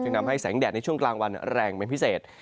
นำให้แสงแดดในช่วงกลางวันแรงเป็นพิเศษ